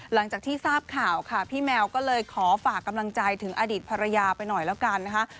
หลังจากที่ทราบข่าวค่ะพี่แมวก็เลยขอฝากกำลังใจถึงอดีตภรรยาไปหน่อยแล้วกันนะคะ